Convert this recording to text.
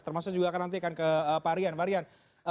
termasuk juga nanti akan ke pak rian